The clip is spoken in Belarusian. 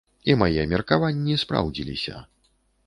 І мае меркаванні спраўдзіліся.